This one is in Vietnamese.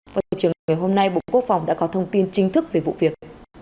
vào trường ngày hôm nay bộ quốc phòng đã có thông tin chính thức về vụ việc